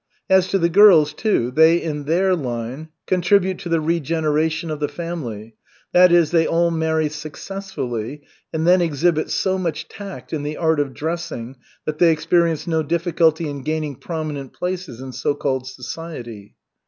As to the girls, they, too, in their line, contribute to the regeneration of the family, that is, they all marry successfully and then exhibit so much tact in the art of dressing that they experience no difficulty in gaining prominent places in so called society.